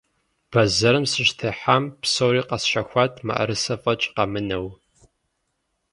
Бэзэрым сыщытехьам, псори къэсщэхуат, мыӏэрысэ фӏэкӏ къэмынэу.